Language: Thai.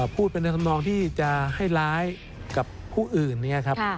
พูดไปในธรรมนองที่จะให้ร้ายกับผู้อื่นเนี่ยครับ